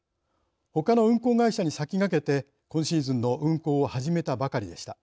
ほかの運航会社に先駆けて今シーズンの運航を始めたばかりでした。